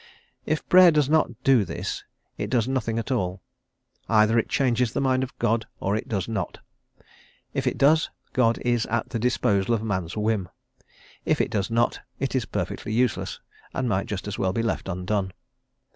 If Prayer does not do this it does nothing at all; either it changes the mind of God or it does not. If it does, God is at the disposal of man's whim; if it does not, it is perfectly useless, and might just as well be left undone.